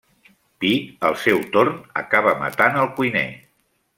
Pi, al seu torn, acaba matant el cuiner.